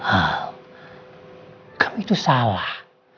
al kamu itu salah